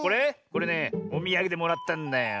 これねおみやげでもらったんだよ。